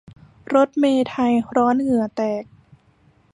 รถเมล์ไทยร้อนเหงื่อแตก